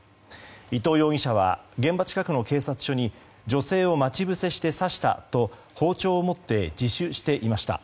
伊藤容疑者は現場近くの警察署に女性を待ち伏せして刺したと包丁を持って自首していました。